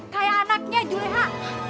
kayak anaknya juleha